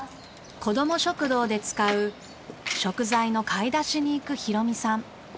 こども食堂で使う食材の買い出しに行く浩美さん。